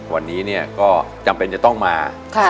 วันนี้ก็จำเป็นจะต้องมา